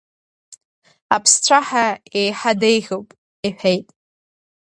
Аԥсцәаҳа еиҳа деиӷьуп, — иҳәеит.